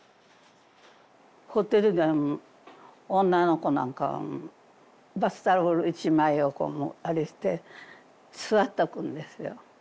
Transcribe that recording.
ホテルで女の子なんかバスタオルを１枚をこうあれして座っとくんですよ。